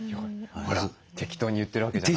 ほら適当に言ってるわけじゃないです。